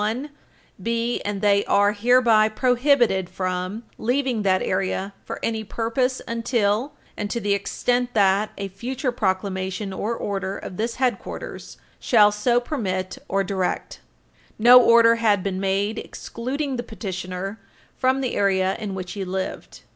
1, be and they are hereby Page 323 U. S. 229 prohibited from leaving that area for any purpose until and to the extent that a future proclamation or order of this headquarters shall so permit or direct. [Footnote 2/5]" No order had been made excluding the petitioner from the area in which he lived.